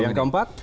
yang keempat